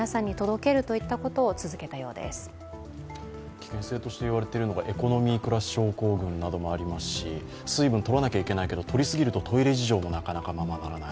危険性として言われているのがエコノミークラス症候群などもありますし水分をとらなきゃいけないけど、とり過ぎるとトイレもままならない。